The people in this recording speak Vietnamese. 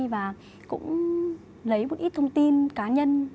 và cũng lấy một ít thông tin cá nhân